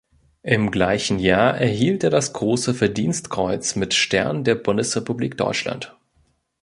Im gleichen Jahr erhielt er das Große Verdienstkreuz mit Stern der Bundesrepublik Deutschland.